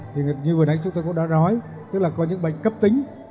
thì như vừa đánh chúng tôi cũng đã nói tức là có những bệnh cấp tính